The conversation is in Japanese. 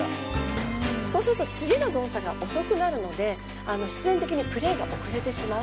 そうすると次の動作が遅くなるので必然的にプレーが遅れてしまう。